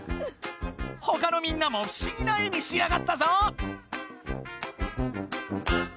ほかのみんなもふしぎな絵にしあがったぞ！